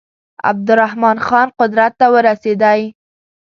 عبدالرحمن خان قدرت ته ورسېدی.